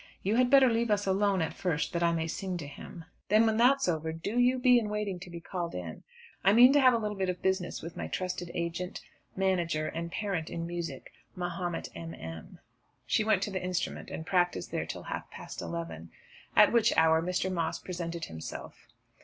You had better leave us alone at first, that I may sing to him. Then, when that's over, do you be in waiting to be called in. I mean to have a little bit of business with my trusted agent, manager, and parent in music, 'Mahomet M. M.'" She went to the instrument, and practised there till half past eleven, at which hour Mr. Moss presented himself.